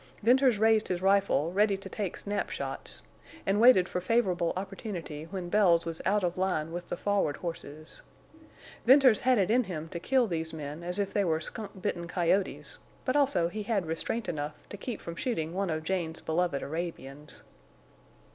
Venters raised his rifle, ready to take snap shots, and waited for favorable opportunity when Bells was out of line with the forward horses. Venters had it in him to kill these men as if they were skunk bitten coyotes, but also he had restraint enough to keep from shooting one of Jane's beloved Arabians.